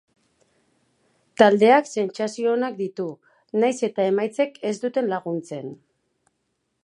Taldeak sentsazio onak ditu, bnahiz eta emaitzek ez duten laguntzen.